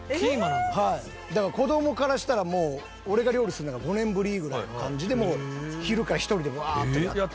だから子どもからしたらもう俺が料理するのが５年ぶりぐらいの感じで昼から１人でワーッとやって。